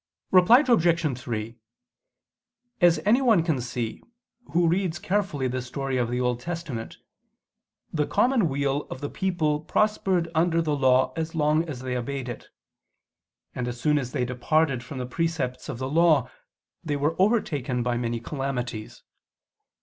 Reply Obj. 3: As any one can see, who reads carefully the story of the Old Testament, the common weal of the people prospered under the Law as long as they obeyed it; and as soon as they departed from the precepts of the Law they were overtaken by many calamities.